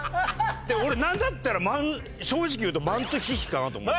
俺何だったら正直言うとマントヒヒかなと思った。